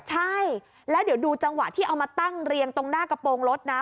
ใช่แล้วเดี๋ยวดูจังหวะที่เอามาตั้งเรียงตรงหน้ากระโปรงรถนะ